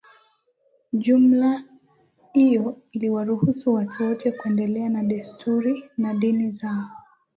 jumla hiyo iliwaruhusu watu wote kuendelea na desturi na dini zao